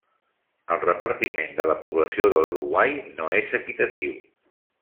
El repartiment de la població de l'Uruguai no és equitatiu.